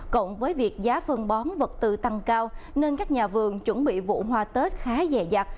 cộng với việc giá phân bón vật tư tăng cao nên các nhà vườn chuẩn bị vụ hoa tết khá dẻ dạt